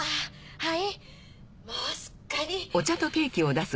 はい。